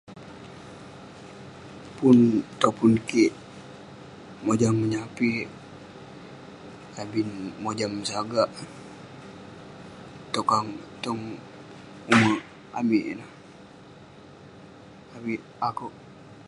pun topun kik mojam menyapik, abin mojam sagak, tong umerk amik ineh..avik akouk